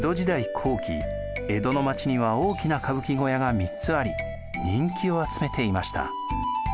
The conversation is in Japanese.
後期江戸の町には大きな歌舞伎小屋が３つあり人気を集めていました。